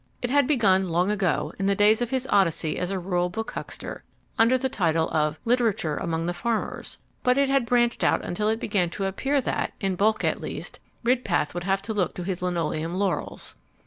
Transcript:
It had begun long ago, in the days of his odyssey as a rural book huckster, under the title of "Literature Among the Farmers," but it had branched out until it began to appear that (in bulk at least) Ridpath would have to look to his linoleum laurels.